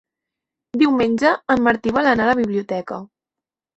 Diumenge en Martí vol anar a la biblioteca.